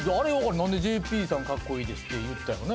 何で「ＪＰさんかっこいいです」って言ったんやろね。